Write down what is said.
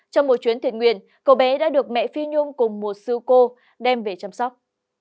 trong một chuyến thiện nguyện cậu bé đã được mẹ phi nhung cùng một siêu cô đem về chăm sóc